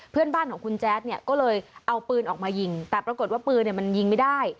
เพื่อนบ้านของคุณแจ๊ดเนี่ยก็เลยเอาปืนออกมายิงแต่ปรากฏว่าปืนเนี่ยมันยิงไม่ได้